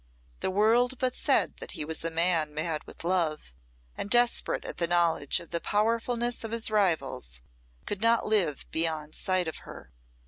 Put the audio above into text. The world but said that he was a man mad with love, and desperate at the knowledge of the powerfulness of his rivals, could not live beyond sight of her.